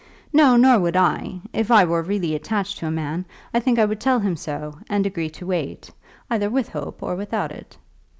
"No, nor would I. If I really were attached to a man, I think I would tell him so, and agree to wait, either with hope or without it."